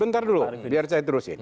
bentar dulu biar saya terusin